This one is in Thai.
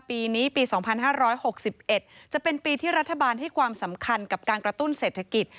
ปีนี้ปี๒๕๖๑จะเป็นปีที่รัฐบาลให้ความสำคัญกับการกระตุ้นเศรษฐกิจ